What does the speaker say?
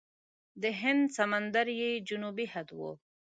د هند سمندر یې جنوبي حد و.